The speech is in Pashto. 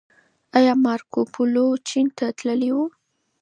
ايا مارکوپولو چين ته تللی و؟